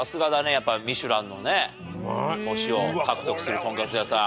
やっぱりミシュランのね星を獲得するトンカツ屋さん。